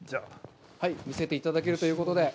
見せていただけるということで。